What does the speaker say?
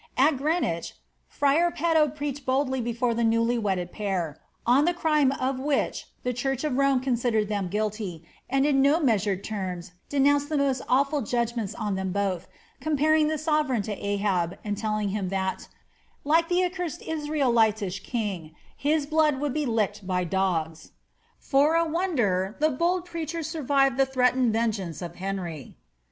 At Greenwich, friar Peto preached boldly before the newly wedded pair, on the crime of which the church of Rome considered them guilty, and in no measured terms denounced the most awful judgments on them both; comparing the sovereign to Ahab, and telling him that, ^^ like the accursed Israelitish kingi, his blood would be licked by dogs."* For a wonder the bold preacher survived the threatened vengeance of Henry.